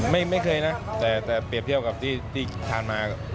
ไม่เคยนะแต่เปรียบเทียบกับที่ทานมา